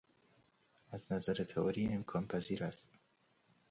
از نظر تئوری امکان پذیر است.